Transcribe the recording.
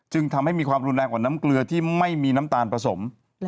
จึงทำให้มีความรุนแรงกว่าน้ำเกลือที่ไม่มีน้ำตาลผสม